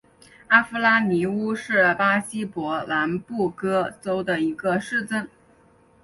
阿夫拉尼乌是巴西伯南布哥州的一个市镇。